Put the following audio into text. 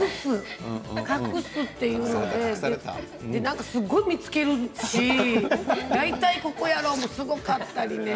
隠すというのですごい見つけるし大体ここやろうと、すごかったよ。